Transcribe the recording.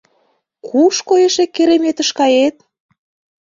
Кушко эше кереметыш кает?..